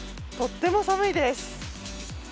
とっても寒いです。